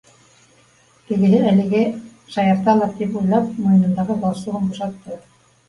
Тегеһе әлегә шаярталыр тип уйлап, муйынындағы гал стугын бушатты